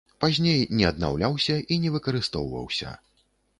Пазней не аднаўляўся і не выкарыстоўваўся.